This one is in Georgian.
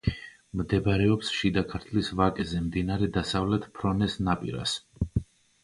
მდებარეობს შიდა ქართლის ვაკეზე, მდინარე დასავლეთ ფრონეს ნაპირას.